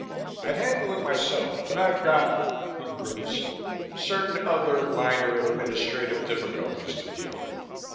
I'd handle it myself, but I've got " he grimaced "certain other minor administrative difficulties to deal with.